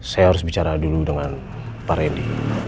saya harus bicara dulu dengan pak randy